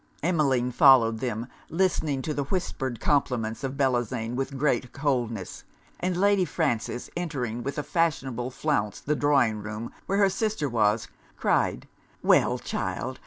Emmeline followed them, listening to the whispered compliments of Bellozane with great coldness; and Lady Frances, entering with a fashionable flounce the drawing room where her sister was, cried 'Well child!